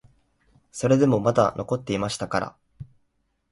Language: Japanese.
それでもまだ残っていましたから、